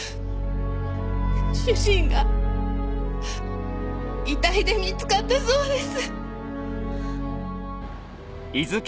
主人が遺体で見つかったそうです。